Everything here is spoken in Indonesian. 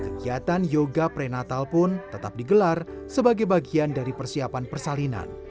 kegiatan yoga prenatal pun tetap digelar sebagai bagian dari persiapan persalinan